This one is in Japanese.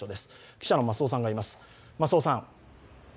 記者の増尾さんがいます。